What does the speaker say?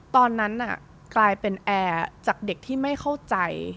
ตอนนั้นกลายเป็นแอร์จากเด็กที่ไม่เข้าใจ